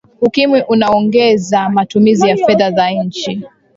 ukimwi unaongeza matumizi ya fedha za nchi